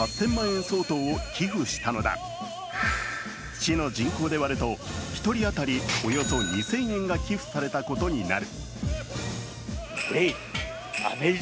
市の人口で割ると、１人当たりおよそ２０００円が寄付されたことになる。